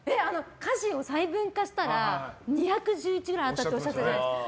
家事を細分化したら２１１ぐらいあるっておっしゃってたじゃないですか。